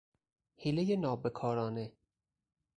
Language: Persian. حیلهی نابکارانه